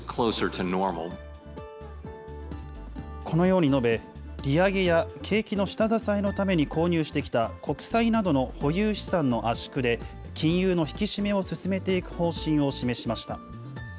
このように述べ、利上げや景気の下支えのために購入してきた国債などの保有資産の圧縮で、金融の引き締めを進めていく方針を示しました。